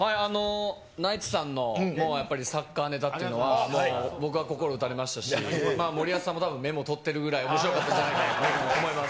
ナイツさんのやっぱりサッカーネタっていうのは、もう、僕は心打たれましたし、また森保さんもメモ取ってるぐらい、おもしろかったと思います。